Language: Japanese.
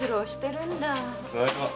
ただいま！